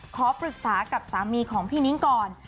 ขอปรึกษากับสามีของพี่นิ้งก่อน